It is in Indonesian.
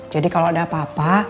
jadi kalo ada apa apa